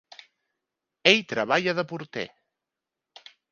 Ell treballa de porter.